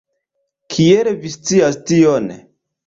Kiel vi scias tion?